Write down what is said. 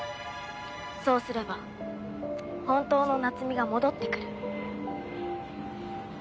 そうすれば本当の夏美が戻ってくる。